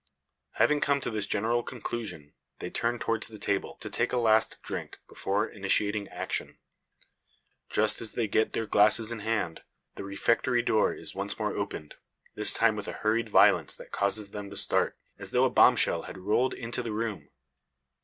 Having come to this general conclusion, they turn towards the table, to take a last drink, before initiating action. Just as they get their glasses in hand, the refectory door is once more opened; this time with a hurried violence that causes them to start, as though a bombshell had rolled into the room.